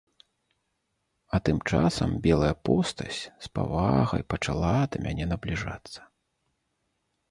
А тым часам белая постаць з павагай пачала да мяне набліжацца.